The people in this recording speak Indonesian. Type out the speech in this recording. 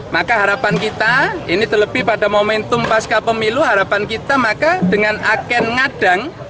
maka harapan kita ini terlebih pada momentum pasca pemilu harapan kita maka dengan aken ngadang